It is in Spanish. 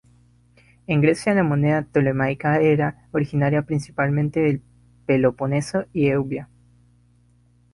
En Grecia, la moneda ptolemaica era originaria principalmente del Peloponeso y Eubea.